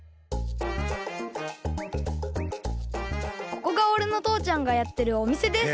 ここがおれのとうちゃんがやってるおみせです！